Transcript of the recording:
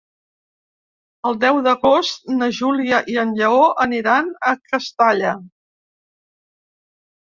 El deu d'agost na Júlia i en Lleó aniran a Castalla.